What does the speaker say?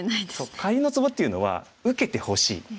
かりんのツボっていうのは「受けてほしい」。